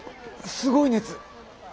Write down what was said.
すごい熱。